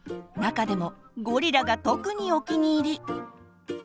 中でもゴリラが特にお気に入り。